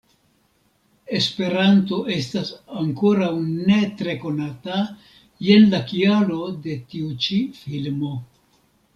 Esperanto estas ankoraŭ ne tre konata, jen la kialo de tiu ĉi filmo.